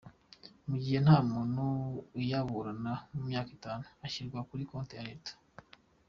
Mu gihe nta muntu uyaburana mu myaka itanu, ashyirwa kuri konti ya leta.